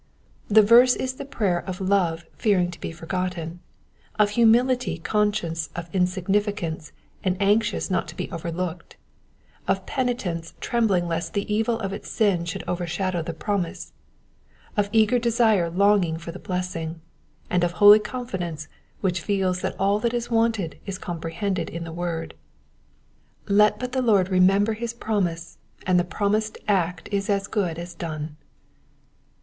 This verse is the prayer of love fearing to be forgotten, of humility con scious of insignificance and anxious not to be overlooked, of penitence trembling lest the evil of its sin should overshadow the promise, of eager desire longing for the blessing, and of holy confidence which feels that all that is wanted is comprehended in the word. Let but the Lord remember his promise, and the promised act is as good as done.